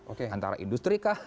ada pemukiman dengan industri kah